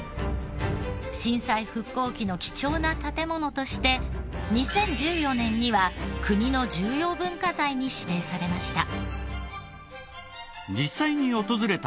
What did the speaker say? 震災復興期の貴重な建ものとして２０１４年には国の重要文化財に指定されました。